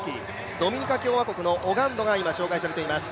ドミニカ共和国のオガンドが今紹介されています。